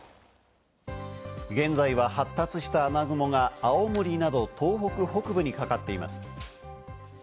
現在は発達した雨雲が青森など東北北部にかかっています。